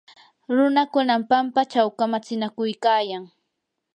runakunam pampachaw kamatsinakuykayan.